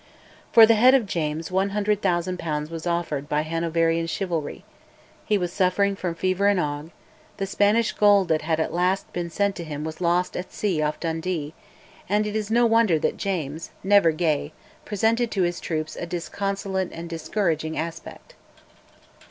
For the head of James 100,000 pounds was offered by Hanoverian chivalry: he was suffering from fever and ague; the Spanish gold that had at last been sent to him was lost at sea off Dundee, and it is no wonder that James, never gay, presented to his troops a disconsolate and discouraging aspect.